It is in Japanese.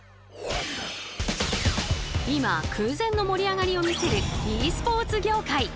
今空前の盛り上がりを見せるｅスポーツ業界。